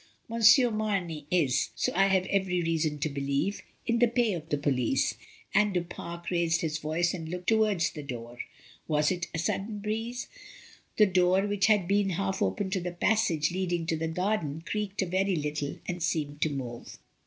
Monsieur Mamey is (so I have every reason to believe) in the pay of the police," and Du Pare raised his voice and looked towards the door. Was it a sudden breeze? The door which had been half open to the passage leading to the garden creaked a very little and seemed to move.